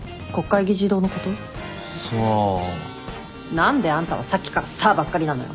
何であんたはさっきから「さあ」ばっかりなのよ。